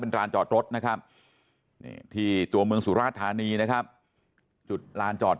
ร้านจอดรถนะครับที่ตัวเมืองสุราชธานีนะครับจุดลานจอด